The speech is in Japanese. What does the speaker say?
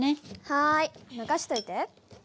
はい任しといて。